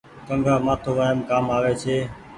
ڪنگآ مآٿو وآئم ڪآم آوي ڇي۔